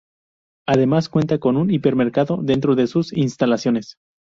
Además, cuenta con un hipermercado dentro de sus instalaciones.